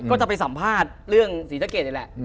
ก็จะไปสัมภาษณ์เรื่องสีเจ้าเกรดเองแหละ